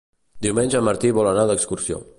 Diumenge en Martí vol anar d'excursió.